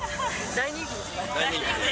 大人気ですね。